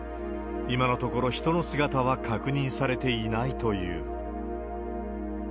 今のところ、人の姿は確認されていないという。